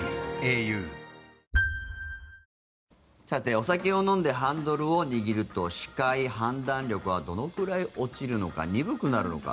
お酒を飲んでハンドルを握ると視界、判断力はどのぐらい落ちるのか。